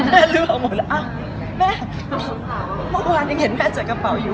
แม่ลื้อกระเป๋าหมดอะแม่เมื่อวานยังเห็นแม่จัดกระเป๋าอยู่